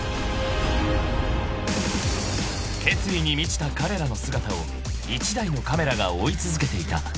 ［決意に満ちた彼らの姿を１台のカメラが追い続けていた］